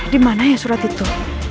dimana ya surat itu